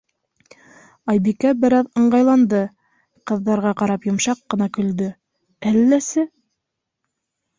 Айбикә бер аҙ ыңғайланды, ҡыҙҙарға ҡарап, йомшаҡ ҡына көлдө: - Әлләсе...